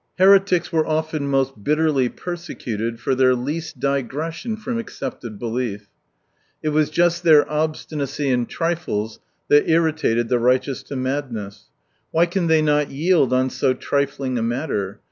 — Heretics were often most bitterly persecuted for their least digression from accepted belief. It was just their obstinacy in trifles that irritated the righteous to madness. " Why can they not yield on so trifling a matter